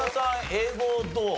英語どう？